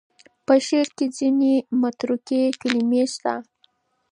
په شعر کې ځینې متروکې کلمې شته.